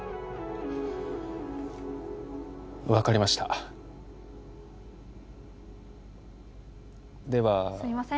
わかりましたではすいません